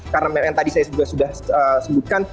karena yang tadi saya sudah sebutkan